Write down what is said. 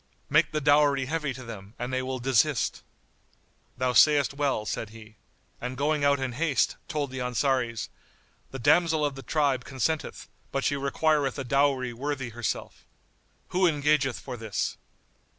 "Make the dowry heavy to them and they will desist." "Thou sayst well," said he, and going out in haste, told the Ansaris, "The damsel of the tribe[FN#89] consenteth; but she requireth a dowry worthy herself. Who engageth for this?"